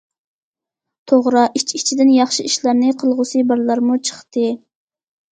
توغرا ئىچ- ئىچىدىن ياخشى ئىشلارنى قىلغۇسى بارلارمۇ چىقتى.